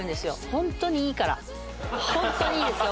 ホントにいいからホントにいいですよ